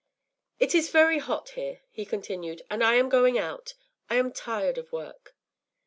“It is very hot here,” he continued, “and I am going out. I am tired of work.